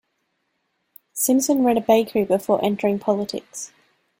Simpson ran a bakery before entering politics.